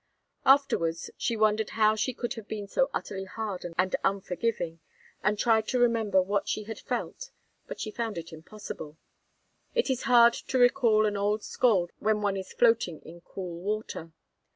Afterwards, she wondered how she could have been so utterly hard and unforgiving, and tried to remember what she had felt, but she found it impossible. It is hard to recall an old scald when one is floating in cool water.